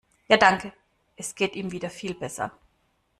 Ja danke, es geht ihm wieder viel besser.